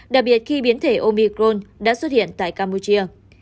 đặc biệt khi biến thể omicron đã xuất hiện tại campuchia